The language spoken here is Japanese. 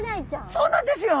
そうなんですよ。